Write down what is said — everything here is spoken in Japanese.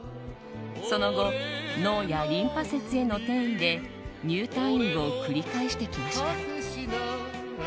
その後、脳やリンパ節への転移で入退院を繰り返してきました。